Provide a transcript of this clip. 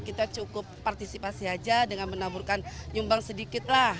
kita cukup partisipasi aja dengan menaburkan nyumbang sedikit lah